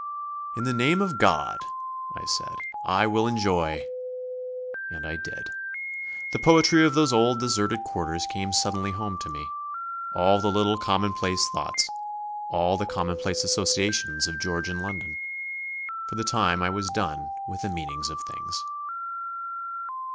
"In the name of God," I said, "I will enjoy ..." and I did. The poetry of those old deserted quarters came suddenly home to me all the little commonplace thoughts; all the commonplace associations of Georgian London. For the time I was done with the meanings of things.